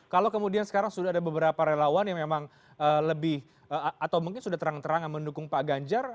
kalau kemudian sekarang sudah ada beberapa relawan yang memang lebih atau mungkin sudah terang terangan mendukung pak ganjar